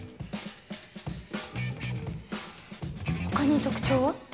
他に特徴は？